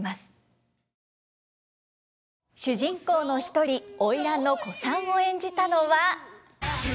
主人公の一人花魁の小さんを演じたのは。